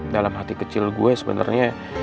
dalam hati kecil gue sebenarnya